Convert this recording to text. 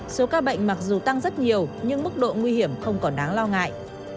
số ca bệnh mặc dù tăng rất nhiều nhưng mức độ nguy hiểm không còn đáng lo ngại